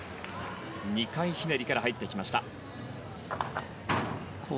２回ひねりから入ってきました。